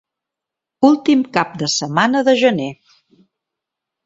Últim cap de setmana de gener.